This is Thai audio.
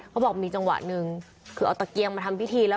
เขาบอกมีจังหวะหนึ่งคือเอาตะเกียงมาทำพิธีแล้ว